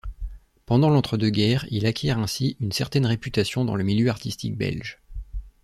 Pendant l'entre-deux-guerres, il acquiert ainsi une certaine réputation dans le milieu artistique belge.